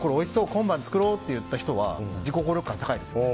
今晩作ろうって言った人は自己効力感、高いですね。